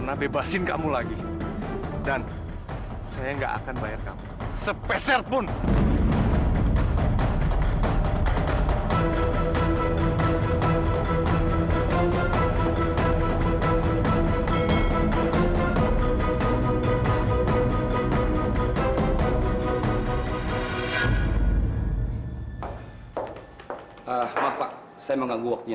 sampai jumpa di video selanjutnya